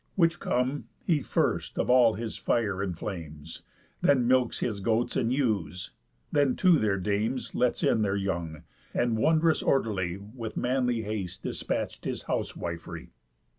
Which come, he first of all his fire enflames, Then milks his goats and ewes, then to their dams Lets in their young, and, wondrous orderly, With manly haste dispatch'd his housewif'ry.